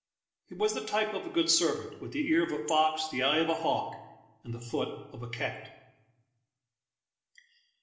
He was the type of a good servant, with the ear of a fox, the eye of a hawk, and the foot of a cat.